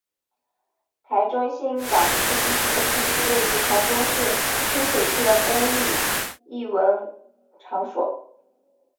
台中市港区艺术中心是位于台中市清水区的公立艺文场所。